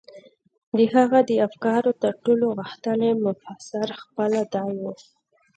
د هغه د افکارو تر ټولو غښتلی مفسر خپله دی و.